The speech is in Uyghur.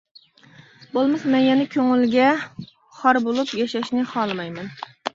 بولمىسا مەن يەنە كۆڭۈلگە خار بولۇپ ياشاشنى خالىمايمەن.